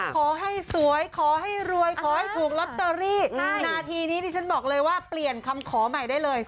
ขอให้สวยขอให้รวยขอให้ถูกลอตเตอรี่นาทีนี้ดิฉันบอกเลยว่าเปลี่ยนคำขอใหม่ได้เลย